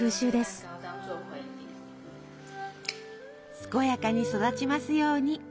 健やかに育ちますように。